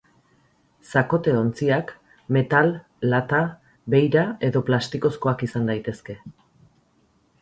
Zakote-ontziak metal, lata, beira edo plastikozkoak, izan daitezke.